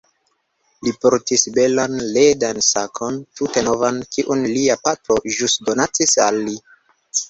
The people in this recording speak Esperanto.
Li portis belan ledan sakon, tute novan, kiun lia patro ĵus donacis al li.